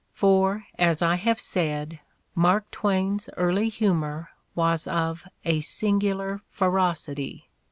For, as I have said, Mark Twain's early humor was of a singular ferocity.